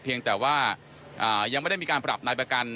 เพียงแต่ว่ายังไม่ได้มีการปรับนายประกัน